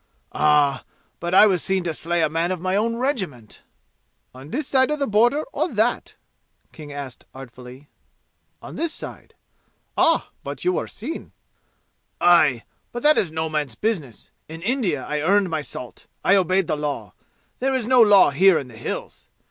"Ah! But I was seen to slay a man of my own regiment." "On this side the border or that?" asked King artfully. "On this side." "Ah, but you were seen." "Ay! But that is no man's business. In India I earned in my salt. I obeyed the law. There is no law here in the 'Hills.'